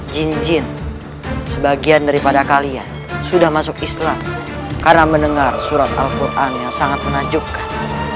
jin jin sebagian daripada kalian sudah masuk islam karena mendengar surat alquran yang sangat menajubkan